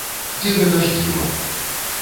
Ці гэта ж дзіва?!